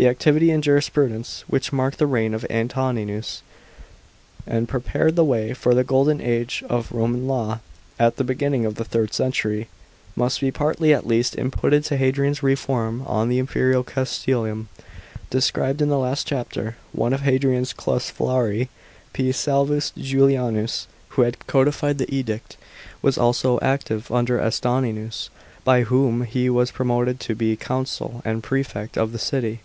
* The activity in jurisprudence which marked the reign of Antoninus, and prepared the way for the golden age of Roman law at the beginning of the third century, must be partly, at least, imputed to Hadrian's reform of the imperial c»nsilium, described in the last chapter. One of Hadrian's consfliarii, P. Salvius Julianus, who had codified the Edict, was also active under Antoninus, by whom he was promoted to be consul and prefect of the city.